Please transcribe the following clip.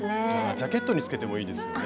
ジャケットにつけてもいいですよね。